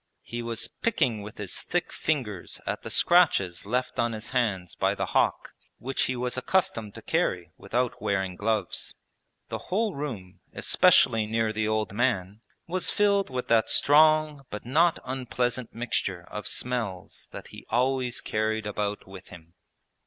He was picking with his thick fingers at the scratches left on his hands by the hawk, which he was accustomed to carry without wearing gloves. The whole room, especially near the old man, was filled with that strong but not unpleasant mixture of smells that he always carried about with him.